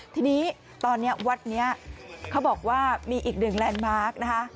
ทีนี้ตอนนี้วัดนี้เขาบอกว่ามีอีกหนึ่งแลนด์มาร์คนะคะ